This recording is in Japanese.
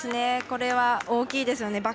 これは、大きいですね。